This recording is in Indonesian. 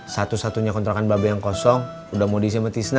satu satunya kontrakan babe yang kosong udah mau diisi samatisna